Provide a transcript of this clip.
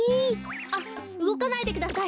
あっうごかないでください。